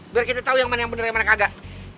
biar kita tahu yang mana yang benar yang mana kagak